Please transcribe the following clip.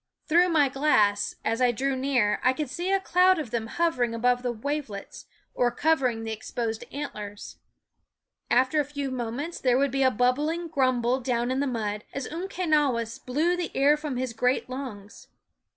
Through my glass, as I drew near, I could see a cloud of them hovering above the wavelets, or covering the exposed antlers. After a few moments there would be a bubbling grumble down in the mud, as Umquenawis ./>."*..~ blew the air from his great lungs.